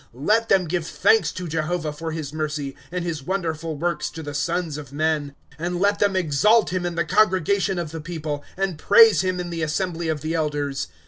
^^ Let them give thanks to Jehovah for his mercy, And his wonderful works to the sons of men. ^^ And ]et them exalt him in the congregation of the people, And praise him in the assembly of the elders.